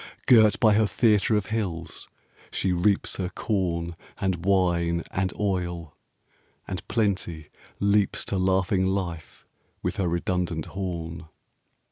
Girt by her theatre of hills, she reaps Her corn, and wine, and oil, and Plenty leaps 5 To laughing life, with her redundant horn.